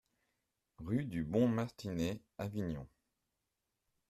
Rue du Bon Martinet, Avignon